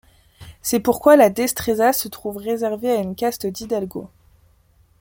C’est pourquoi la Destreza se trouve réservée à une caste d’hidalgos.